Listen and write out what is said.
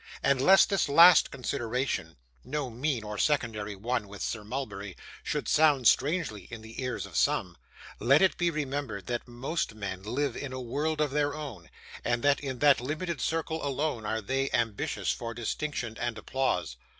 And lest this last consideration no mean or secondary one with Sir Mulberry should sound strangely in the ears of some, let it be remembered that most men live in a world of their own, and that in that limited circle alone are they ambitious for distinction and applause.